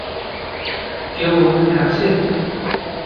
কেউ ওখানে আছে!